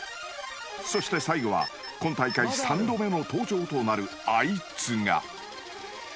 ［そして最後は今大会３度目の登場となるあいつが］